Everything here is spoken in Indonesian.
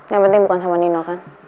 yang penting bukan sama nino kan